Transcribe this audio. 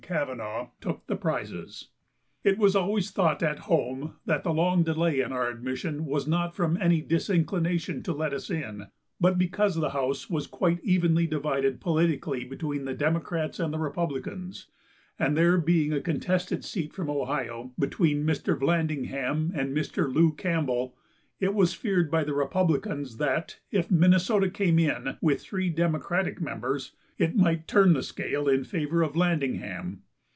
Cavanaugh took the prizes. It was always thought at home that the long delay in our admission was not from any disinclination to let us in, but because the house was quite evenly divided politically between the Democrats and the Republicans, and there being a contested seat from Ohio, between Mr. Valandingham and Mr. Lew Campbell, it was feared by the Republicans that, if Minnesota came in with three Democratic members, it might turn the scale in favor of Valandingham.